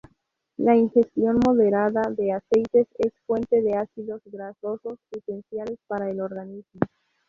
La ingestión moderada de aceites es fuente de ácidos grasos esenciales para el organismo.